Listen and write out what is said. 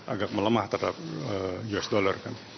agak melemah terhadap usd kan